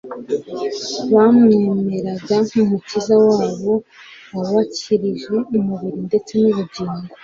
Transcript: Bamwemeraga nk'Umukiza wabo wabakirije umubiri ndetse n'ubugingo.